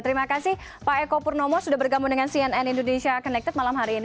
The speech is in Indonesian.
terima kasih pak eko purnomo sudah bergabung dengan cnn indonesia connected malam hari ini